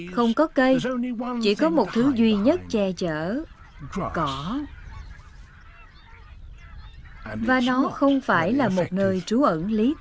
không có cây chỉ có một thú săn mồi